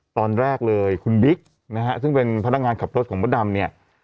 ตอนแรกเลยคุณบิ๊กนะฮะซึ่งเป็นพนักงานขับรถของมดดำเนี่ย